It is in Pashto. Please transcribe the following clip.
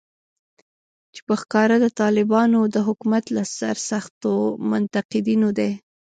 چې په ښکاره د طالبانو د حکومت له سرسختو منتقدینو دی